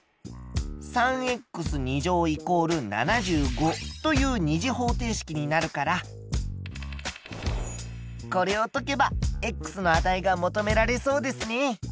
３＝７５という二次方程式になるからこれを解けばの値が求められそうですね。